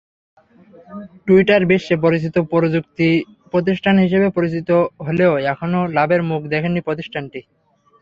Twitter বিশ্বে পরিচিত প্রযুক্তিপ্রতিষ্ঠান হিসেবে পরিচিত হলেও এখনো লাভের মুখ দেখেনি প্রতিষ্ঠানটি।